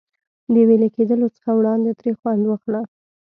د وېلې کېدلو څخه وړاندې ترې خوند واخله.